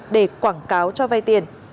để quảng cáo cho vay tiền